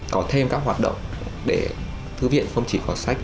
có thêm các hoạt động để thư viện không chỉ có sách